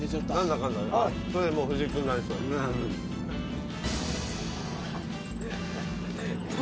それもう藤井君なれそう。